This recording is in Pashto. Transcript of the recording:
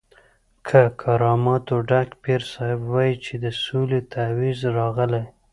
له کراماتو ډک پیر صاحب وایي چې د سولې تعویض راغلی.